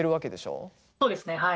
そうですねはい。